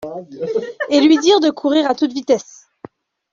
Et lui de courir à toute vitesse.